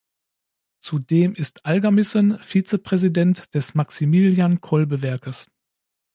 Zudem ist Algermissen Vizepräsident des Maximilian-Kolbe-Werkes.